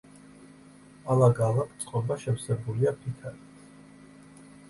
ალაგ-ალაგ წყობა შევსებულია ფიქალით.